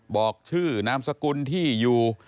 บอกชื่อนามสกุลที่อยู่